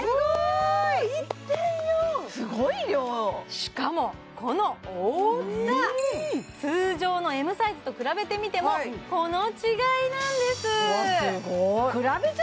すごい量しかもこの大きさ通常のＭサイズと比べてみてもこの違いなんですいや